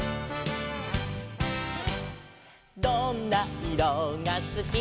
「どんないろがすき」「」